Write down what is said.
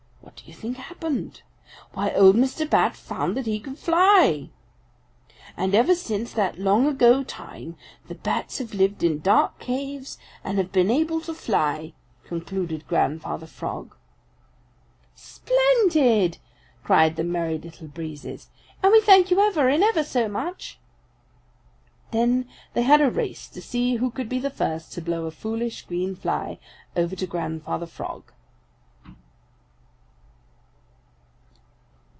What do you think happened? Why, old Mr. Bat found that he could fly! "And ever since that long ago time the Bats have lived in dark caves and have been able to fly," concluded Grandfather Frog. "Splendid!" cried the Merry Little Breezes. "And we thank you ever and ever so much!" Then they had a race to see who could be the first to blow a foolish green fly over to Grandfather Frog.